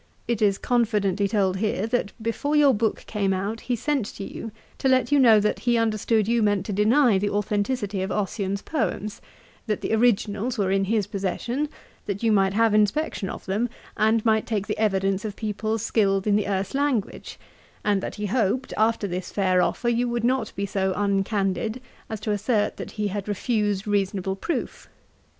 It is confidently told here, that before your book came out he sent to you, to let you know that he understood you meant to deny the authenticity of Ossian's poems; that the originals were in his possession; that you might have inspection of them, and might take the evidence of people skilled in the Erse language; and that he hoped, after this fair offer, you would not be so uncandid as to assert that he had refused reasonable proof.